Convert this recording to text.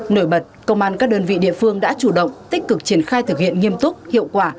nổi bật công an các đơn vị địa phương đã chủ động tích cực triển khai thực hiện nghiêm túc hiệu quả